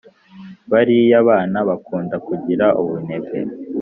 bariya bana bakunda kugira ubunebwe